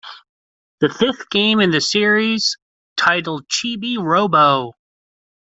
The fifth game in the series, titled Chibi-Robo!